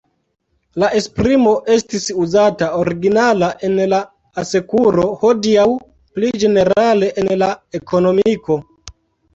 La esprimo estis uzata originala en la asekuro, hodiaŭ pli ĝenerale en la ekonomiko.